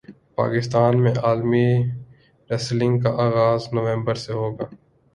پاکستان میں عالمی ریسلنگ کا اغاز نومبر سے ہوگا